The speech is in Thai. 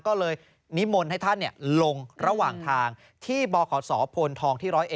ก็เลยนิมนต์ให้ท่านลงระหว่างทางที่บขศพลทองที่๑๐๑